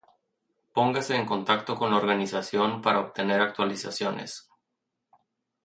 Póngase en contacto con la organización para obtener actualizaciones.